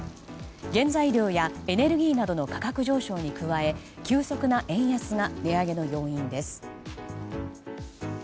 原材料やエネルギーなどの価格上昇に加え急速な円安が値上げの要因です。